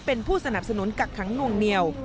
เป็นผู้สนับสนุนกักขังนวงเหนียว